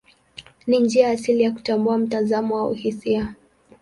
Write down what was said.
Ni njia asili ya kutambua mtazamo au hisia.